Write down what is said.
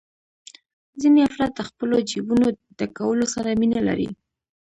ځینې افراد د خپلو جېبونو ډکولو سره مینه لري